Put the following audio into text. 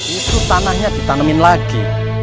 itu tanahnya di tanamin lagi